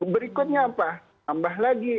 berikutnya apa tambah lagi